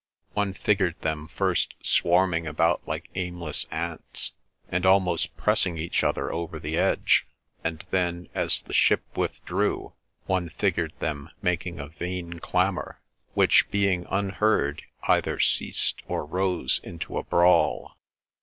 One figured them first swarming about like aimless ants, and almost pressing each other over the edge; and then, as the ship withdrew, one figured them making a vain clamour, which, being unheard, either ceased, or rose into a brawl.